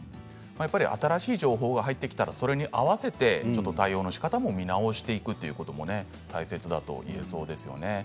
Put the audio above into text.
新しい情報が出てきたらそれに合わせて対応のしかたも見直していくということも大切だと言えそうですよね。